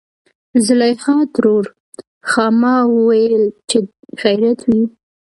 زليخا ترور :ښا ما ويل چې خېرت وي.